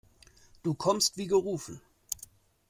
Du kommst wie gerufen.